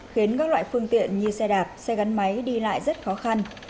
khiến các loại phương tiện như xe đạp xe gắn máy đi lại rất khó khăn